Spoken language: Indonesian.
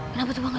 kenapa tuh bang